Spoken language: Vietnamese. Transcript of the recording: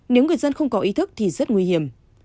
nếu người dân không có ý thức thì rất nguy hiểm